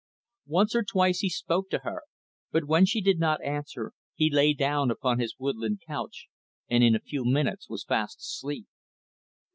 Once or twice, he spoke to her, but when she did not answer he lay down upon his woodland couch and in a few minutes was fast asleep.